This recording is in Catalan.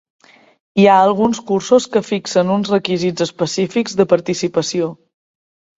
Hi ha alguns cursos que fixen uns requisits específics de participació.